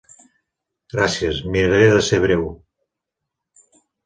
Gràcies, miraré de ser breu.